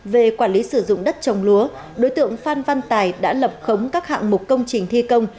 về quản lý sử dụng đất trồng lúa đối tượng phan văn tài đã lập khống các hạng mục công trình thi công